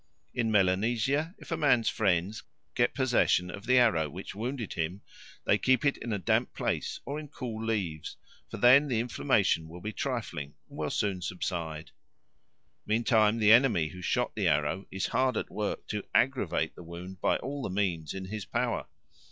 In Melanesia, if a man's friends get possession of the arrow which wounded him, they keep it in a damp place or in cool leaves, for then the inflammation will be trifling and will soon subside. Meantime the enemy who shot the arrow is hard at work to aggravate the wound by all the means in his power.